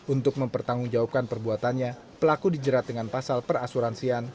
untuk mempertanggungjawabkan perbuatannya pelaku dijerat dengan pasal perasuransian